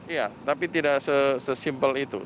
iya tapi tidak sesimpel itu